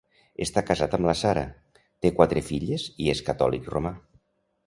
Està casat amb la Sarah, té quatre filles i és catòlic romà.